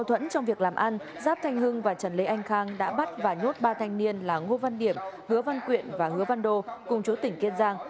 trong việc làm ăn giáp thanh hưng và trần lê anh khang đã bắt và nhốt ba thanh niên là ngô văn điểm hứa văn quyện và hứa văn đô cùng chú tỉnh kiên giang